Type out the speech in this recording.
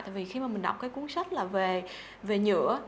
tại vì khi mà mình đọc cái cuốn sách là về nhựa